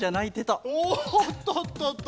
おっとっとっと！